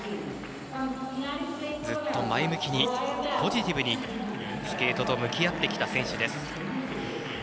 ずっと前向きに、ポジティブにスケートと向き合ってきた選手です。